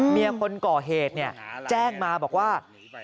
เมียคนก่อเหตุเนี่ยแจ้งมาบอกว่า